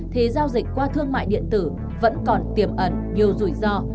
thì giao dịch qua thương mại điện tử vẫn còn tiềm ẩn nhiều rủi ro